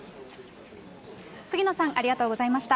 杉野さん、ありがとうございました。